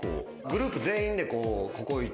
グループ全員で。